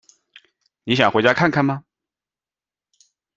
你想回家看看吗？